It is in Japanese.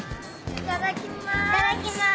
いただきます。